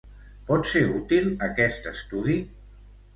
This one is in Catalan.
Pot ser útil, aquest estudi?